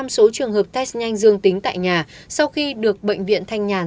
một mươi số trường hợp test nhanh dương tính tại nhà sau khi được bệnh viện thanh nhàn